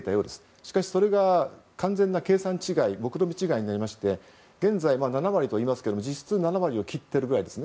しかし、それが完全な計算違い目論見違いになりまして現在、７割といいますが実質７割を切ってるくらいですね。